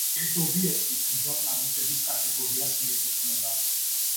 ეს ობიექტი ჯუჯა პლანეტების კატეგორიას მიეკუთვნა.